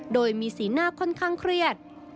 โดยมีสีหน้าค่อนข้างเครียด